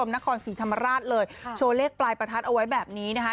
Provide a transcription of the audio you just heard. ทบิจารณ์ทองค์นครศรีธรรมราชโชว์เลขปลายประทัดเอาไว้แบบนี้